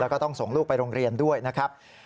แล้วก็ต้องส่งลูกไปโรงเรียนด้วยนะครับ